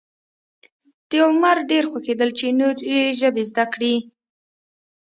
د عمر ډېر خوښېدل چې نورې ژبې زده کړي.